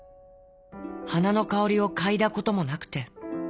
はなのかおりをかいだこともなくて。